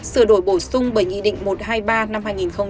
sửa đổi bổ sung bởi nghị định một trăm hai mươi ba năm hai nghìn hai mươi một